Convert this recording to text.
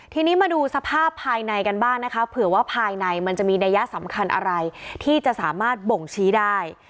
ทีนี้มาดูสภาพภายในกันบ้างนะคะเผื่อว่าภายในมันจะมีนัยยะสำคัญอะไรที่จะสามารถบ่งชี้ได้